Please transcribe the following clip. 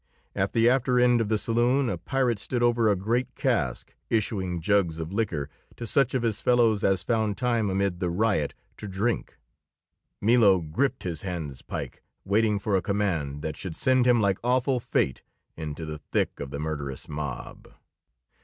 At the after end of the saloon a pirate stood over a great cask, issuing jugs of liquor to such of his fellows as found time amid the riot to drink. Milo gripped his handspike, waiting for a command that should send him like awful Fate into the thick of the murderous mob.